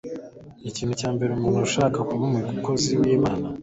Ikintu cya mbere umuntu ushaka kuba umukozi w'Imana